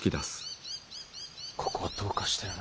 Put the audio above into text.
ここはどうかしてるな。